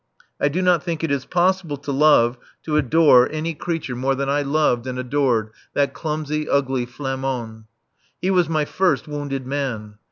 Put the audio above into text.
I do not think it is possible to love, to adore any creature more than I loved and adored that clumsy, ugly Flamand. He was my first wounded man.